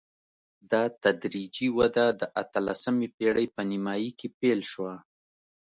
دا تدریجي وده د اتلسمې پېړۍ په نیمايي کې پیل شوه.